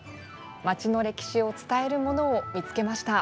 町の歴史を伝えるものを見つけました。